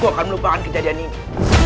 aku akan melupakan kejadian ini